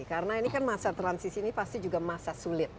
karena ini kan masa transisi ini pasti juga masa sulit